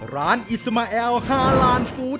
ร้านอิสมาเอล๕ล้านฟูต